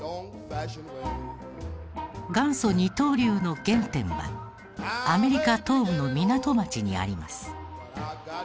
元祖二刀流の原点はアメリカ東部の港町にあります。